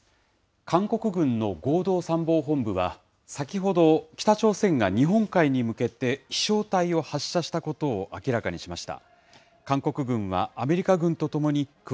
韓国軍の合同参謀本部は、先ほど北朝鮮が日本海に向けて飛しょう体を発射したことを明らかにしました。